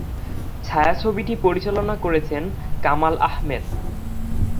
ছায়াছবিটি পরিচালনা করেছেন কামাল আহমেদ।